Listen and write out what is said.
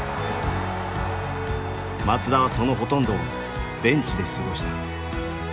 松田はそのほとんどをベンチで過ごした。